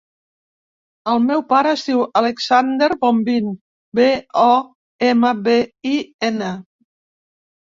El meu pare es diu Alexander Bombin: be, o, ema, be, i, ena.